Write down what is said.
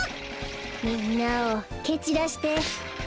みんなをけちらして。